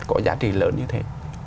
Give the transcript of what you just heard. có giá trị lớn như thế